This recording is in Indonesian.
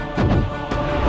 aku mau ke kanjeng itu